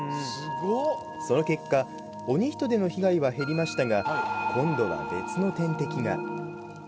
その結果、オニヒトデの被害は減りましたが、今度は別の天敵が。